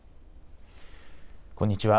こんにちは。